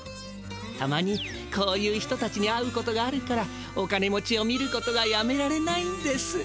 たまにこういう人たちに会うことがあるからお金持ちを見ることがやめられないんです。